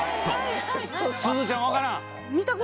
すずちゃんわからん？